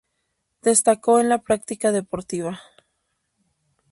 Destacó en la práctica deportiva.